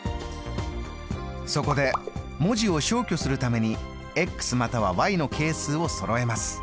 そこで文字を消去するためにまたはの係数をそろえます。